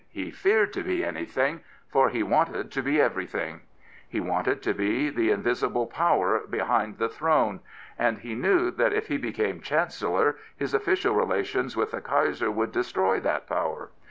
He feared to be anything, for he wanted to be every thing. He wanted to be the invisible power behind the throne, and he knew that if he became Chancellor his ofi&cial relations with the Kaiser would destroy that power.